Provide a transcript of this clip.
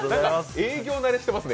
営業慣れしてますね。